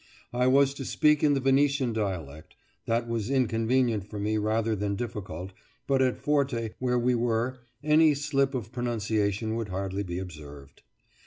I was to speak in the Venetian dialect; that was inconvenient for me rather than difficult, but at Forte, where we were, any slip of pronunciation would hardly be observed.